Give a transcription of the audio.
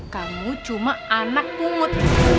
kamu cuma anak pungut